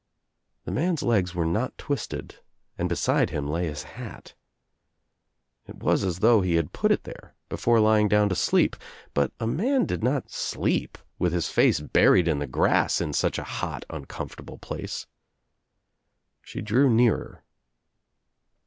The man's legs were not twisted and beside him lay his hat. It was as though he had put it there before lying down to sleep, but a man did not sleep with his face buried in the grass In such a hot uneomforable place. She drew nearer.